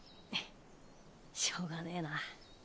しようがねえな。